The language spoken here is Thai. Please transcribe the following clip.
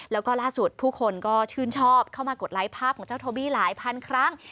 แล้วก็ล่าสุดผู้คนก็ชื่นชอบเข้ามากดไลค์ภาพของเจ้าโทบี้หลายพันครั้ง